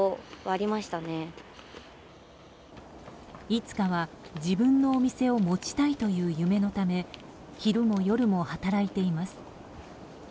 いつかは自分のお店を持ちたいという夢のため昼も夜も働いています。